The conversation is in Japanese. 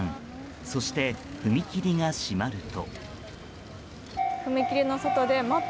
そして、踏切が閉まると。